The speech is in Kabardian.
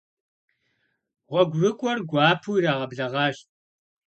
ГъуэгурыкӀуэр гуапэу ирагъэблэгъащ.